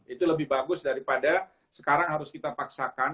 itu lebih bagus daripada sekarang harus kita paksakan